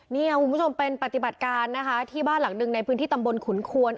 นี่ค่ะคุณผู้ชมเป็นปฏิบัติการนะคะที่บ้านหลังหนึ่งในพื้นที่ตำบลขุนควน